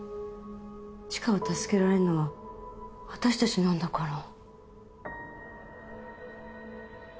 知花を助けられるのは私たちなんだから。